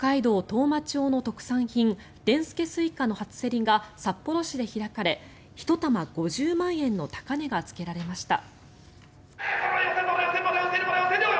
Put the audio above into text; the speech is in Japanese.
当麻町の特産品でんすけすいかの初競りが札幌市で開かれ１玉５０万円の高値がつけられました。